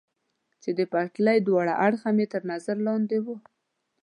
چې د پټلۍ دواړه اړخه مې تر نظر لاندې و.